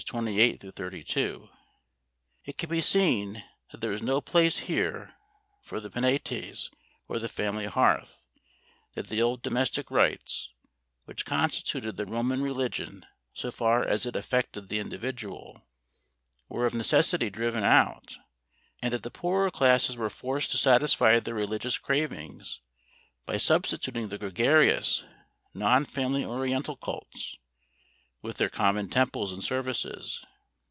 28 32), it can be seen that there was no place here for the Penates or the family hearth, that the old domestic rites, which constituted the Roman religion so far as it affected the individual, were of necessity driven out and that the poorer classes were forced to satisfy their religious cravings by substituting the gregarious, non family oriental cults, with their common temples and services.